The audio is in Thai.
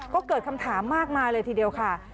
ก็เกิดคำถามมากมายเลยทีเดียวค่ะ